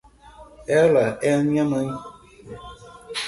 Ela é minha mãe.